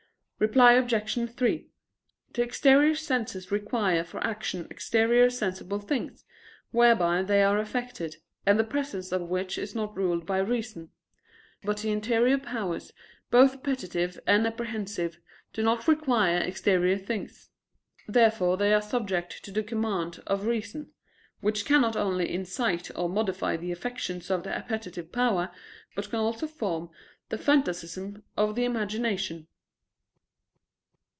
Reply Obj. 3: The exterior senses require for action exterior sensible things, whereby they are affected, and the presence of which is not ruled by reason. But the interior powers, both appetitive and apprehensive, do not require exterior things. Therefore they are subject to the command of reason, which can not only incite or modify the affections of the appetitive power, but can also form the phantasms of the imagination.